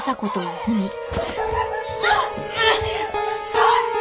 ちょっと！